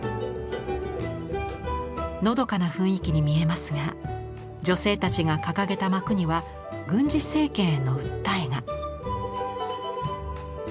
のどかな雰囲気に見えますが女性たちが掲げた幕には軍事政権への訴えが。